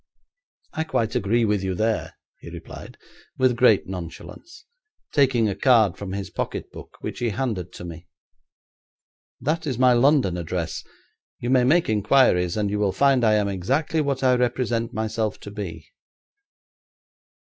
'I quite agree with you there,' he replied, with great nonchalance, taking a card from his pocket book, which he handed to me. 'That is my London address; you may make inquiries, and you will find I am exactly what I represent myself to be.'